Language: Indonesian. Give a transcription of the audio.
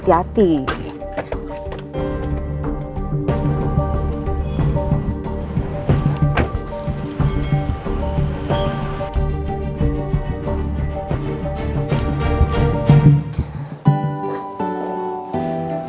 terima kasih ya ma